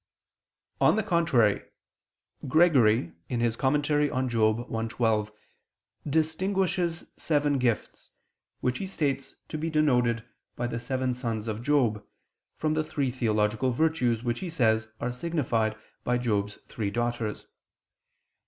On the contrary, Gregory (Moral. i, 12) distinguishes seven gifts, which he states to be denoted by the seven sons of Job, from the three theological virtues, which, he says, are signified by Job's three daughters.